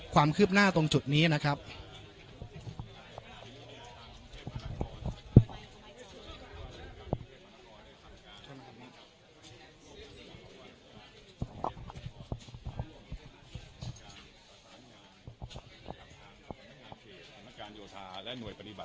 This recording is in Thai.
ความคืบหน้าตรงจุดนี้นะครับ